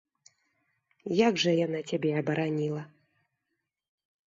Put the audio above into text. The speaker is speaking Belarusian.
Як жа яна цябе абараніла?